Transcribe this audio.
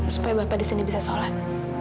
supaya bapak di sini bisa sholat